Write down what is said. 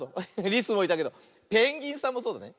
リスもいたけどペンギンさんもそうだね。